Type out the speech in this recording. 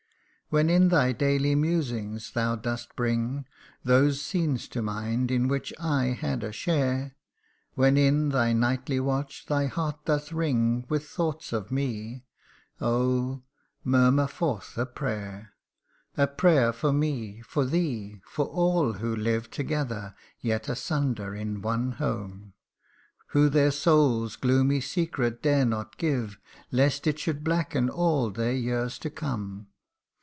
When in thy daily musing thou dost bring Those scenes to mind, in which I had a share ; When in thy nightly watch thy heart doth wring With thought of me oh ! murmur forth a prayer ! A prayer for me for thee for all who live Together, yet asunder in one home CANTO II. 53 Who their soul's gloomy secret dare not give, Lest it should blacken all their years to come.